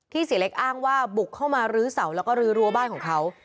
เสียเล็กอ้างว่าบุกเข้ามาลื้อเสาแล้วก็ลื้อรั้วบ้านของเขา